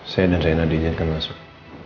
saya dan rena diizinkan masuk